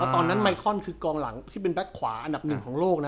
ตอนนั้นใหมน์มายคอนคือกองหลังเป็นแบบขวาอันดับหนึ่งของโลกนะ